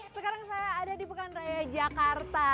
sekarang saya ada di pekan raya jakarta